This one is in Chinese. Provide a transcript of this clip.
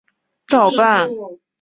李俨照办。